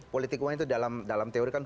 politik uang itu dalam teori kan